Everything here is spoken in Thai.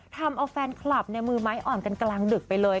ทำเอาแฟนคลับมือไม้อ่อนกันกลางดึกไปเลย